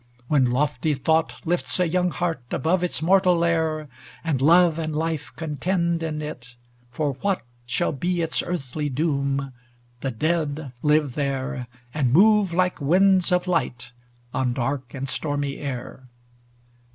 When lofty thought Lifts a young heart above its mortal lair, And love and life contend in it for what Shall be its earthly doom, the dead live there And move like winds of light on dark and stormy air.